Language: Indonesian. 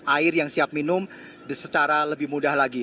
air yang siap minum secara lebih mudah lagi